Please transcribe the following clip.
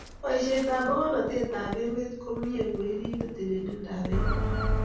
boishet ab magornandit ab emet komyee ko ripee tililindo ab emet